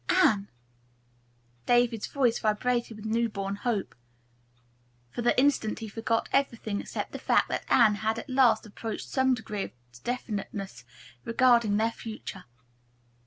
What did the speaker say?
"Anne!" David's voice vibrated with newborn hope. For the instant he forgot everything except the fact that Anne had at last approached some degree of definiteness regarding their future.